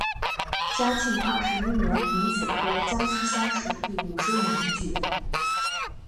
嘉庆二十一年丙子科江西乡试第五十五名举人。